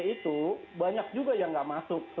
itu banyak juga yang nggak masuk